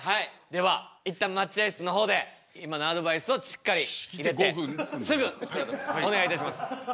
では一旦待合室の方で今のアドバイスをしっかり入れてすぐお願いいたします。